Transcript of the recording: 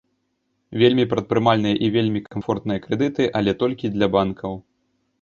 Вельмі прадпрымальныя і вельмі камфортныя крэдыты, але толькі для банкаў.